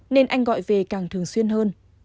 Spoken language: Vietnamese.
nên anh gọi về càng thường xuyên hơn